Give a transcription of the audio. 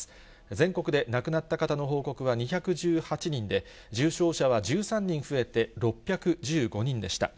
全国で亡くなった方の報告は２１８人で、重症者は１３人増えて６１５人でした。